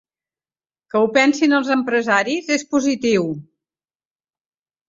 Que ho pensin els empresaris és positiu.